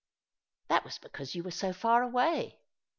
" That was because you were so far away.